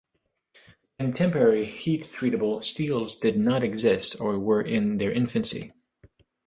Contemporary heat-treatable steels did not exist or were in their infancy.